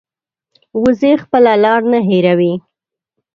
وزې خپله لار نه هېروي